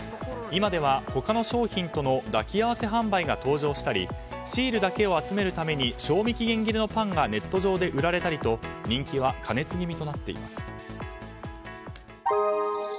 今では他の商品との抱き合わせ販売が登場したりシールだけを集めるために賞味期限切れのパンがネット上で売られたりと人気は過熱気味となっています。